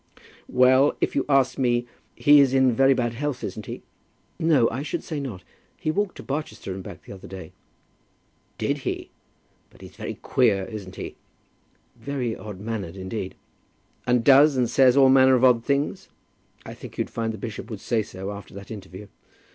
"Well; if you ask me, He is in very bad health, isn't he?" "No; I should say not. He walked to Barchester and back the other day." "Did he? But he's very queer, isn't he?" "Very odd mannered indeed." "And does and says all manner of odd things?" "I think you'd find the bishop would say so after that interview."